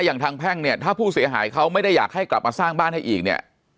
อย่างทางแพ่งเนี่ยถ้าผู้เสียหายเขาไม่ได้อยากให้กลับมาสร้างบ้านให้อีกเนี่ย